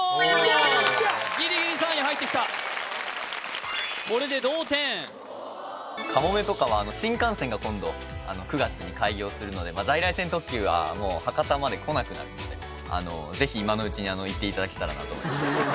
ギリギリ３位に入ってきたこれで同点「かもめ」とかは新幹線が今度９月に開業するので在来線特急はもう博多まで来なくなるのでぜひ今のうちに行っていただけたらなと思います